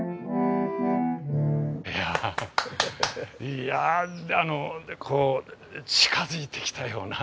いやこう近づいてきたような。